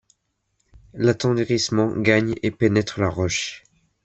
L'attendrissement gagne et pénètre la roche